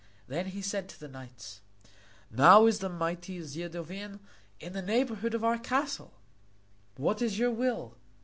Then he said to the knights: "Now is the mighty Zidovin in the neighborhood of our castle. What is your will?"